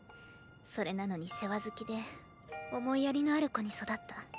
それなのに世話好きで思いやりのある子に育った。